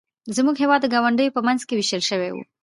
زموږ هېواد د ګاونډیو په منځ کې ویشل شوی و.